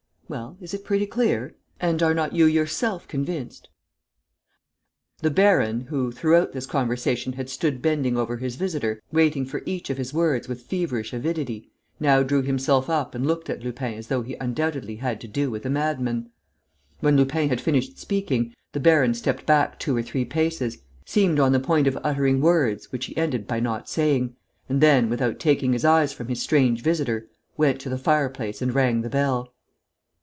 Well, is it pretty clear? And are not you yourself convinced?" The baron, who, throughout this conversation, had stood bending over his visitor, waiting for each of his words with feverish avidity, now drew himself up and looked at Lupin as though he undoubtedly had to do with a madman. When Lupin had finished speaking, the baron stepped back two or three paces, seemed on the point of uttering words which he ended by not saying, and then, without taking his eyes from his strange visitor, went to the fireplace and rang the bell.